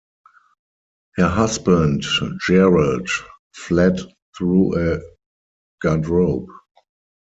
Her husband, Gerald, fled through a garderobe.